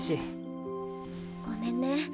ごめんね。